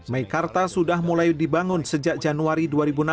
meikarta sudah mulai dibangun sejak januari dua ribu enam belas